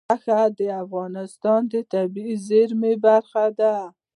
غوښې د افغانستان د طبیعي زیرمو برخه ده.